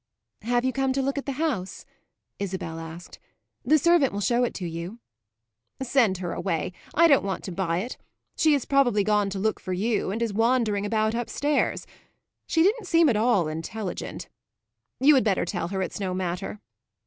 "Have you come to look at the house?" Isabel asked. "The servant will show it to you." "Send her away; I don't want to buy it. She has probably gone to look for you and is wandering about upstairs; she didn't seem at all intelligent. You had better tell her it's no matter."